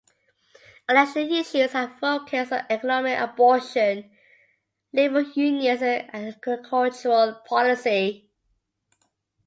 Election issues have focused on the economy, abortion, labor unions, and agricultural policy.